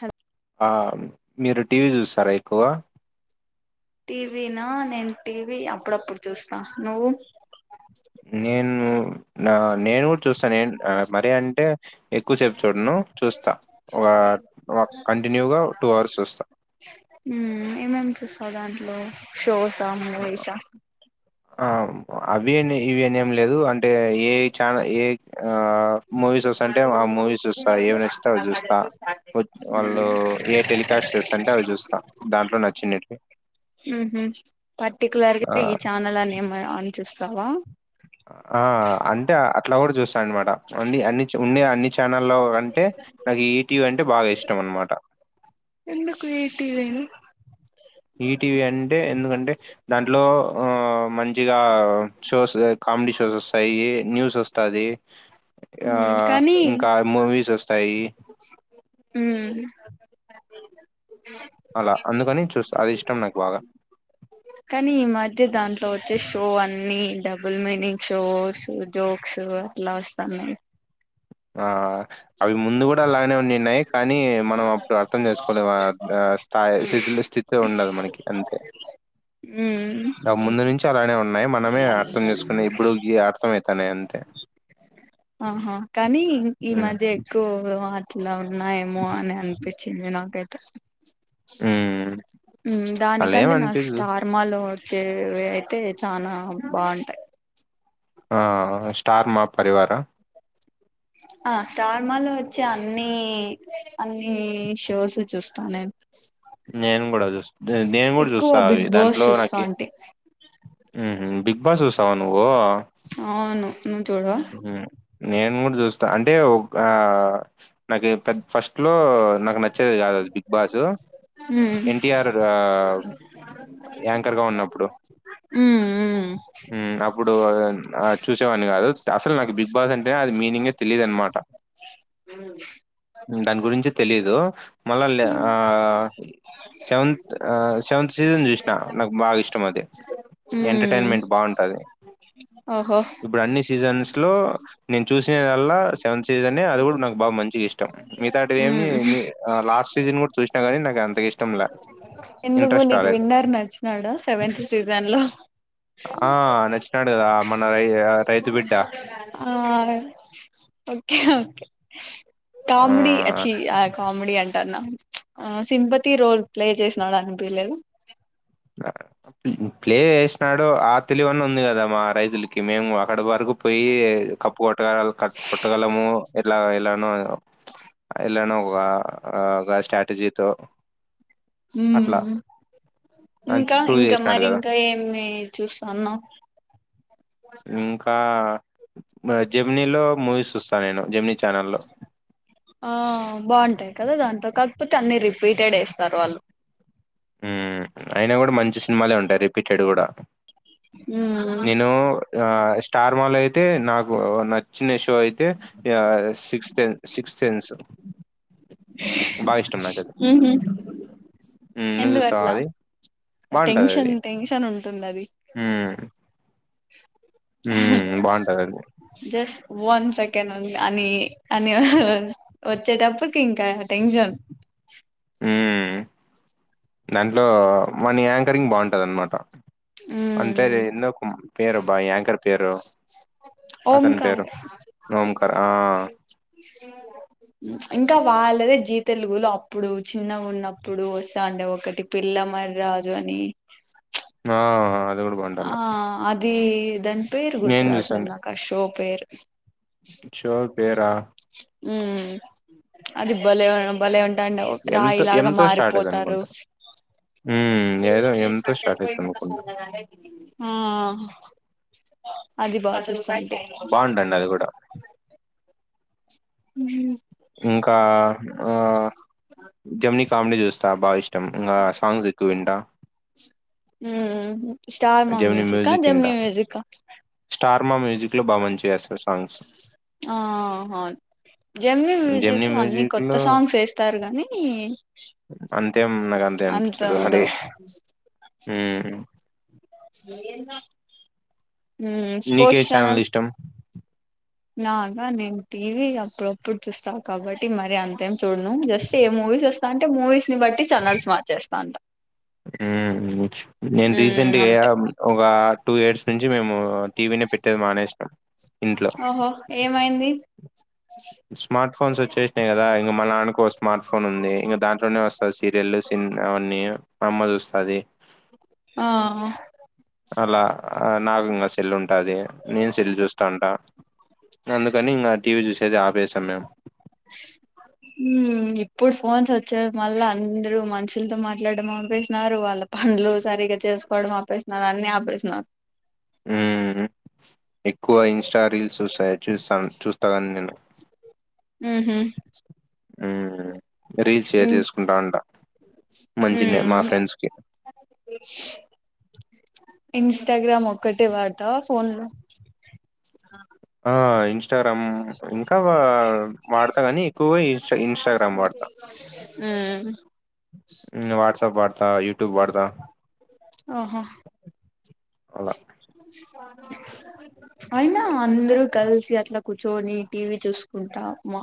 Hello. ఆ మీరు TV చూస్తారా ఎక్కువ. టీవీనా నేను టీవీ అప్పుడు అప్పుడు చూస్తా నువ్వు. నేను. నా నేను కూడా చూస్తా నేన్ మరి అంటే ఎక్కువసేపు చూడను చూస్తా. వా వక్ కంటిన్యూగా టు హవర్స్ చూస్తా. మ. సో సమ్ మూవీస్ ఆ. అం అవి నేను ఇవన్నీ ఏం లేదు. అంటే ఏ ఛానల్ ఏ. మూవీ చూస్తా అంటే ఆ మూవీ చూస్తా. ఏం నచ్చితే అవి చూస్తా వాళ్లు ఏవి టెలికాస్ట్ చేస్తే అంటే అవి చూస్తా దాంట్లో నచ్చివి. పర్టిక్యులర్ గా ఈ ఛానల్ అనే ఏమైనా చూస్తావ్ కావా. ఆ అంటే అట్లా కూడా చూస్తా. స్తా అన్నమాట. అన్ని అన్ని ఉన్నాయి అన్ని ఛానల్లో అంటే నాకు ఈటీవీ అంటే బాగా ఇష్టం అన్నమాట. ఎందుకు ఈ టీవీను ఈటీవీ అంటే ఎందుకంటే దాంట్లో ఆ. మంచిగా షోస్ ఎక్ కామెడీ షో వస్తాయి. న్యూస్ వస్తాది. ఆ మ్మ్ కానీ ఇంకా మూవీస్ వస్తాయి. మ్మ్ [inaudible] అలా అందుకని చూస్తా. అది ఇష ష్టం నాకు బాగా. కానీ ఈ మధ్య దాంట్లో వచ్చే షో అన్ని. డబల్ మీనింగ్స్ జోక్స్ అట్లా వస్తానయి. ఆ. అది ముందు కూడా అలాగనే ఉనినై కానీ మనం అర్థం చేసుకోలేదు వాటిని ఆ స్థాయి స్థితలెస్టిక్ గా ఉండాలి మనకి అంతే. మ్మ్ ముందు నుంచి అలానే ఉంది న్నాయి మనమే అర్థం చేసుకొని ఇప్పుడు గియి అర్థం అవుతాన్నాయి అంతే ఆహా, కానీ ఈ హ్మ్. మధ్య ఎక్కువ, ఇట్లా ఉన్నాయేమో అని అనిపించింది నాకైతే, హు దానికంటే నాకు స్టార్ మాలో వచ్చవి అయితే చానా బాగుంటాయి, ఆ స్టార్ మా పరివార్ ఆ స్టార్ మాలో వచ్చే అన్ని అన్నిషోస్ చూస్తా నేను, నేను కూడా చూ నేను కూడా ఎక్కువ చూస్తాను అవి బిగ్ బాస్ దాంట్లో చూస్తా నాకి అంటే హు బిగ్, బస్సు సుసావా నువ్వు అవును నువ్వు చూడవా హ్మ్. నేను కూడా చూస్తా అంటే ఒక నాకు ఏదో పె ఫస్ట్, లో నాకు నచ్చది కాదు అది బిగ్ బాస్ మ్మ్ యెన్ టి ఆర్ యాంకర్ గా ఉన్నపుడు మ్మ్ మ్మ్ హు అప్పుడు, చూసేవన్ని కాదు అసలు నాకు బిగ్ బాస్ అంటేనే అది మీనింగే తెలియదు అన్నమాట. దాని గురించే తెలియదు మళ్ళ లెవె ఆ సెవెంత్ సెవెంత్ సీజన్ చూసిన నాకు బాగా ఇష్టం అది మ్మ్ ఎంటర్టైన్మెంట్ బాగుంటది., ఓహో ఇప్పుడు అన్ని సీజన్స్ లో నేను చూసినదల్ల సెవెంత్ సీజనే అది కూడా నాకు బాగా మంచిగ ఇష్టం. మిగతాటివి ఏమి మ్మ్ మీ లాస్ట్ సీజన్ కూడా చూసినా గానీ నాకు అంతగ ఇష్టంలే ఎందుకు నీకు విన్నర్ నచ్చినాడ సెవెంత్ సీజన్ లో, ఆ నచ్చినాడు కదా మన రై రైతు బిడ్డ ఆ ఓకే ఓకే కామెడి ఆ అచ్చి కామెడి అం అంటన్నా ఆ సింపతి రోల్ ప్లే చేసినాడు అనిపియ్యలేదు, ప్లే చేసినాడు ఆ తెలివి అన్న ఉంది కదా మా రైతులకి మేము అక్కడ వరకు, పోయి కప్పు కొట్టగల కట్ కొట్టగలము ఇట్లా, ఎలానో ఎలానో ఒక స్ట్రాటజీతో, ఉహు అట్లా హు అని ఇంకా ప్రూవ్ ఇంకా చేసినాడు మరి కదా ఇంకా ఏమి చూస్తాన్నావ్, ఇంకా మరి జెమ్నీలో మూవీస్ చూస్తా నేను జమ్నీ చానల్లో, బాగుంటయి కదా దాంతో కాకపోతే అన్ని రిపీటెడ్ వేస్తారు వాళ్ళు హ్మ్ అయినా కూడా మంచి సినిమాలే ఉం రీపిటెడ్ కూడా ఉమ్ నేను ఆ స్టార్ మా లో అయితే నాకు నచ్చినయి షో అయితే ఇగ సిక్స్ సెన్స్ సిక్త్ సెన్స్ బాగా ఇష్టం నాకు అది ఉమ్, నువ్వు ఎందుకు చూస్తావా అట్లా అది బావుంటదది. టెన్షన్ టెన్షన్ ఉంటుంది. ఎందది హ్మ్ హ్మ్ బాగుంటదది. జస్ట్ వన్ సెకండ్ ఉంది అని అని వచ్చేటప్పటికి ఇంకా టెన్షన్ హ్మ్ దాంట్లో మల్లీ యాంకరింగ్ బాగుంటది అన్నమాట ఉమ్ అంతేలే ఎందుకు పేరు అబ్బా ఏ యాంకర్ పేరు అతని పేరు ఓంకార్ ఓంకర్ ఆ ఇంకా వాళ్ళదే జీ తెలుగులో అప్పుడు చిన్నగా ఉన్నప్పుడు వస్తాండె ఒకటి పిల్లమరి రాజు అని ఆ అది డు బంటను ది దని పేరు గుర్తురాట్ల నాకు ఆ షో పేరు చోర్ పేరా ఉ అది బలె బలె ఉంట ఎంతో రాయిలాగా ఎంతో స్టార్ట్ మారిపోతారు అయిద్దనుకుంటా. హ్మ్. ఏదో ఎంతో స్టార్ట్ అయిద్దనుకుంటా. మ్మ్ అది బా బాగుండండి అది కూడా హ ఇంకా ఆ జమిని కామిడీ చూస్త బాగా ఇష్టం ఇంకా సాంగ్స్ ఎక్కువ వింట స్టార్ మా మ్యూజిక్కా జెమినీ మ్యూజిక్కా స్టార్ మా మ్యూజిక్ లో బాగా మంచి చేస్తారు సాంగ్స్ ఆ అవును జెమిని మ్యూజిక్ జెమినీ లో అన్ని మ్యూజిక్ కొత్త లో సాంగ్స్ వేస్తారు గానీ అంతేం నాకు అంతేం అంత అనిపించదు అంటే ఉండవు ఎందో నీకే ఛానల్ ఇష్టం నాకా నేను టీవీ అప్పుడప్పుడు చూస్తా కాబట్టి మరి అంతేం చూడ ను జస్త్ ఏ మూవీస్ వస్తే అంటే మూవీస్ ని బట్టి ఛానల్స్ మార్చేస్తా అంట మ్మ్ నేను ఉమ్ రీసెంట్గా అంతే ఒక టూ ఇయిర్స్ నుంచి మేము టీవి ని పెట్టే దే మానేస్ నం ఇంట్లో అ స్మార్ట్ ఫోన్స్ వచ్చేసినాయి కదా ఇంకా మన నాన్నకు స్మార్ట్ ఫోన్ ఉంది ఇంకా దాంట్లోనే వస్తంది సీరియల్ సినిమా అన్నీ అమ్మ చూస్తది ఆ అలా నాకు ఇంకా సెల్ ఉంటాది నేను సెల్ చూస్తా ఉంటా అందుకని ఇంకా టీవీ చూసి ది అప్ మ్మ్ ఇప్పుడు ఫోన్స్ వచ్చే వల్ల అందురు మనుషులతో మాట్లాడడం ఆపేసిన్నారు వాళ్ళ పనులు సరిగ్గా చేసుకోవడం ఆపేసిన్నారు అన్ని ఆపేసిన్నారు మ్మ్ ఎక్కువ ఇన్స్ట్ రీల్స్ వస్సాయి చూస్తాను చూస్తాదని నేను మ్మ్ హ్మ్ మ్మ్ రీల్స్ షేర్ చేసుకుంటా అంట మంచినే మా ఉమ్ ఫ్రెండ్స్ కి ఇన్స్టాగ్రామ్ ఒక్కటే వాడతావా ఫోన్ లో ఆ ఇన్స్టాగ్రామ్ ఇంకా వా వాడతా కానీ ఎక్కువ ఇన్స్ట్ ఇన్స్టాగ్రామ్ వాడతా ఉమ్ వాట్సాప్ వాడతా త యూట్యూబ్ వాడతా ఓహో అలా అయినా అందరూ కలిసి అట్లా కూర్చోని టీవీ చూసుకుంటా మా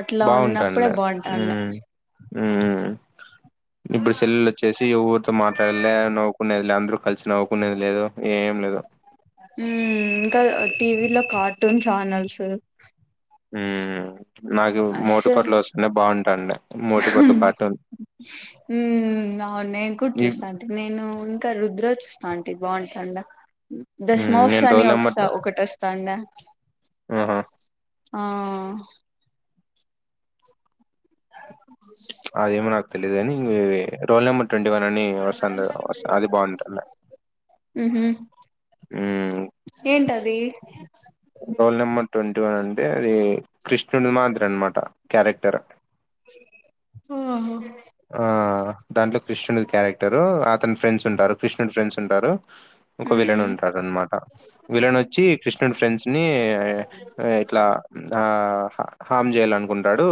అట్లా ఉన్నప్పుడే బాగుంటాండి బాగుంటాండ మ్మ్ మ్మ్ ఇప్పుడు సెల్లలు వచ్చేసి ఎవరితో మాట్లాడలే నువ్వు ఉండేదిలే అందరు కలిసి నవ్వుకునేది లేదు ఏ ఏం లేదు మ్మ్ ఇంకా టీవీ లో కార్టూన్ ఛానల్స్ మ్మ్ నాకు మోటిపట్లు వస్తనే బాగుంటాండి మ్మ్ అవును నేను కూడా ఇవ్ చూస్తాను ఉంటా నేను ఇంకా రుద్ర చూస్ ఆంటీ బాగుంటాడా హ్మ్. దస్మస్ నేను అని రోల్ ఒకస నంబర్ ఒకటి వస్తాం ఆహా ఆ అదేమ నక్ తెలీదని ఎ రోల్ నామ్ ట్వంటీ వన్ అని వస్తు అది బాగుంటు ఉహు ఏంటది రోల్ నెంబర్ ట్వంటీ వన్ అ అంటే అది కృష్ణుడి మాదిరి అనమాట క్యారెక్టర్ ఓహ్ ఆ దాంట్లో కృష్ణుడి క్యారెక్టర్ అతని ఫ్రెండ్స్ ఉంటారు కృష్ణుడి ఫ్రెండ్స్ ఉంటారు ఒక విలన ఉమ్ ఉంటడు అనమాట విలన వచ్చి కృష్ణుడి ఫ్రెండ్స్ ని ఇట్లా ఆ హామ్ జయలాడి అనుకుంటాడు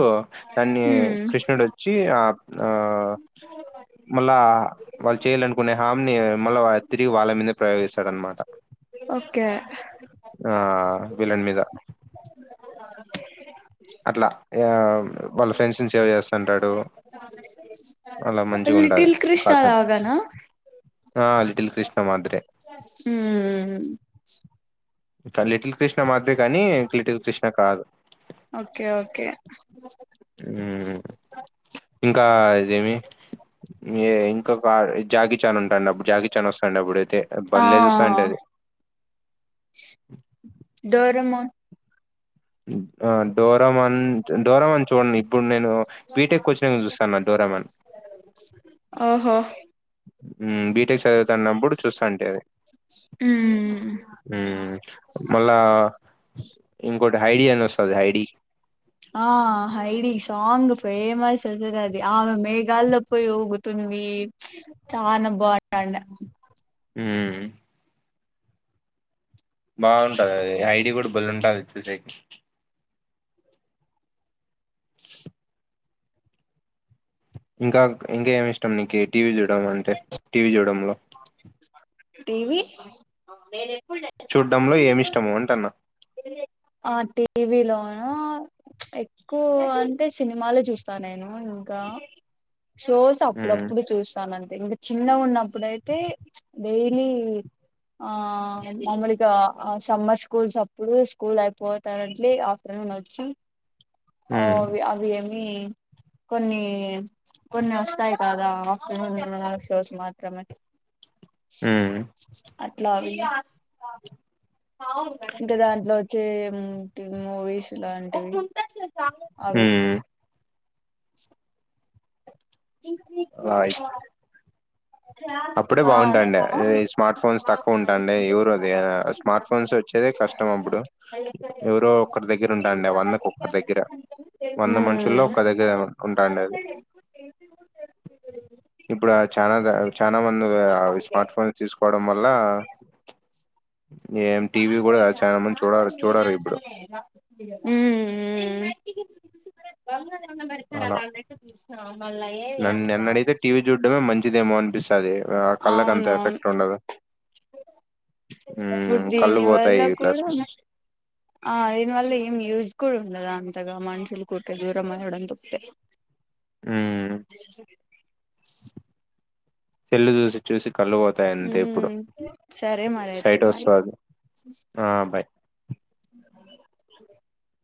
దాన్ని కృష్ణుడు వచ్చి ఆ ఆ మళ్ళా వాళ్ళు చేయాలనుకునే ని మళ్ళ తిరిగి వాళ్ళ మీదే ప్రయోగిస్తాడ అనమాట ఓకే విల్లన్ మీద అట్లా వాళ్ళ ఫ్రెండ్స్ నీ సేవ్ చేస్తుంటాడు అలా మంచిగా ఉంటది లిటిల్ కార్టూన్ కృష్ణవగనా ఆ లిటిల్ కృష్ణ మాదరే హ లిటిల్ కృష్ణ మదర్ కానీం లిటిల్ కృష్ణ కాదు ఓకే ఓకే ఇంకా ఇదేమి ఏ ఇంకా కా జాకి చా ఉంటాండి అప్పుడు జాకి చాన్ వస్తాండి అప్పుడుైతే ఆ బల్లే చూస్తా అంటే డోరమాన్ ఆ డోరమన్, డోరమన్ చూడండి ఇప్పుడు నేను పీటెక్ వచ్చిన చూస్తాను డోరమన్ ఓహో మ్ బీటెక్ చదువుతన్నప్పుడు చూస్తా అంటే అది మ్ మ్ మళ్ళా ఇంకోటి ఐడి అనా వస్తుంది ఐడి ఆ హైడి ఈ సాంగ్ ఫేమస్ అసర అది ఆమె మేఘా లో పోయి ఊగుతుందివి చానా బాగుంటండా మ్ బాగుంటది అది ఐడి కూడా బలి ఉంటది చూసేకి ఇంకా ఇంకా ఏమి ఇష్టం నీకి టీవీ చూ చూ అంటే టీవీ చూడడంలో టీవీ చూడ్డంలో ఏమిష్టము అంటన్నా టీవీలోను ఎక్కువ అంటే సినిమాలే చూస్తా నేను ఇంకా షోస్ ఉమ్ అప్పుడప్పుడు చూస్తా నం ఇంకా చిన్నగా ఉన్నప్పుడయితే డైలీ ఆ మామూలుగా సమ్మర్ స్కూల్స్ అప్పుడు స్కూల్ అయిపోతానట్లే ఆఫ్టర్నూన్ వచ్చి ఉమ్ ఓఅవి అవి ఏం నీ కొన్ని కొన్ని వస్తాయి కదా ఆఫ్టర్నూన్ నూన్ ఫోస్ మాత్రమే హ్మ్ అట్లా వెయ్యి ఇంకా దాంట్లో వచ్చే మూవీస్ లాంటివి అవి హ్మ్ రా ఆయితే అప్పుడే ఆ బాగుంటాండ అ స్మార్ట్ ఫోన్స్ తక్కువ ఉంటాండి ఎవరు అది స్మార్ట్ ఫోన్స్ వచ్చేది కష్టం అప్పుడు ఎవరో ఒకరి దగ్గర ఉంటాండ వందకు ఒకరి దగ్గర వంద మనుషుల్లో ఒకరి దగ్గర ఉంటాండ అది ఇప్పుడు చనద చానా మంది స్మార్ట్ ఫోన్ తీసుకోవడం వల్ల ఏం టీవీ కూడా చాలా మంది చూడరు చూడరు హ్మ్ ఇప్పుడు హ్మ్మ్ బంగారు ఎమన్న పెడతర అలా నా నెట్టు తీసుకొని మళ్ళా ఏమి నన్ను అమ్మక టది ఆ కళ్ళకి అంత ఎఫెక్ట్ ఉండదు ఇప్పుడు హ్మ్ కళ్ళు దీని వల్ల పోతాయి ఇట్లా కూడా ఆ దీని వల్ల ఏం యూజ్ కూడ ఉండదంటగా మనుషులకు ఊరికే దూరమవ్వడం తప్తే ఉమ్ సెల్లు చూసి చూసి కళ్ళు పోతాయి అంతే ఇప్పుడు ఉమ్ సరే మరి అయితే సైట్ బాయ్ వస్తది ఆ బాయ్ [inaudible]